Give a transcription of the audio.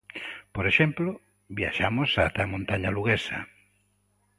Por exemplo, viaxamos xa ata a montaña luguesa.